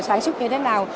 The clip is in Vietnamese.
sản xuất như thế nào